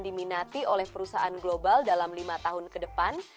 diminati oleh perusahaan global dalam lima tahun ke depan